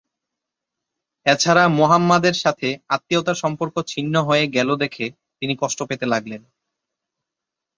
এছাড়া মুহাম্মাদের সাথে আত্মীয়তার সম্পর্ক ছিন্ন হয়ে গেলো দেখে তিনি কষ্ট পেতে লাগলেন।